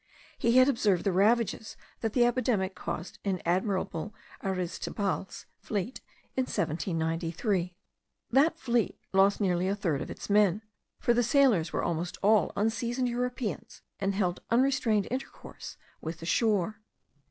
He had observed the ravages that the epidemic caused in Admiral Ariztizabal's fleet, in 1793. That fleet lost nearly a third of its men; for the sailors were almost all unseasoned Europeans, and held unrestrained intercourse with the shore.